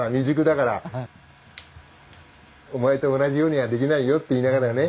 お前と同じようにはできないよって言いながらね